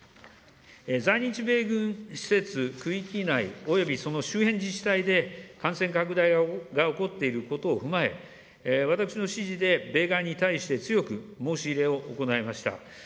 在日米軍施設区域内およびその周辺自治体で感染拡大が起こっていることを踏まえ、私の指示で米側に対して強く申し入れを行いました。